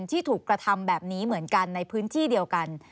ที่ถูกกระทำแบบนี้เหมือนกันในพื้นที่เดียวกัน